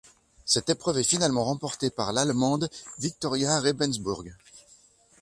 Cette épreuve est finalement remportée par l'Allemande Viktoria Rebensburg.